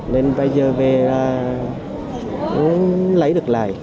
nên bây giờ về là không lấy được lại